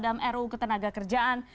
dan ruu ketenaga kerjaan